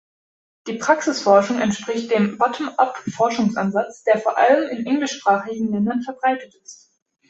Die Praxisforschung entspricht dem “buttom-up-Forschungsansatz”, der vor allem in englischsprachigen Ländern verbreitet ist.